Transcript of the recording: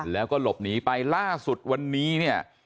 แล้วก็หลบหนีไปล่าสุดวันนี้เนี่ย